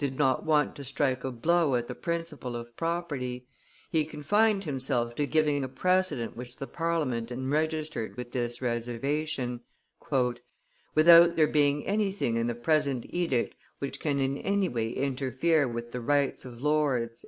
did not want to strike a blow at the principle of property; he confined himself to giving a precedent which the Parliament enregistered with this reservation: "Without there being anything in the present edict which can in any way interfere with the rights of lords."